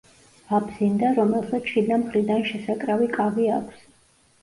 აბზინდა, რომელსაც შიდა მხრიდან შესაკრავი კავი აქვს.